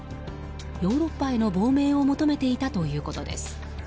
ヨーロッパへの亡命を求めていたということです。